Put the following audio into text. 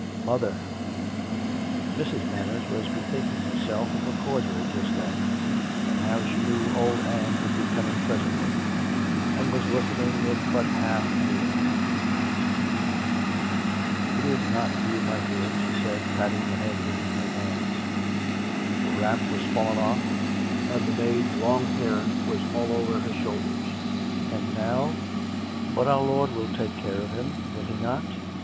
Mother !..." Mrs. Manners was bethinking herself of a cordial just then, and how she knew old Ann would be coming pres ently, and was listening with but half an ear. " It's not you, my dear," she said, patting the head be neath her hands. (The wrap was fallen off, and the maid's long hair was all over her shoulders.) " And now "" But our Lord will take care of him, will He not.''